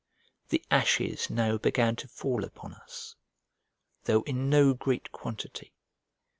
The ashes now began to fall upon us, though in no great quantity.